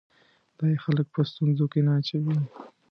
دی خلک په ستونزو کې نه اچوي.